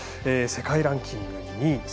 世界ランキング２位。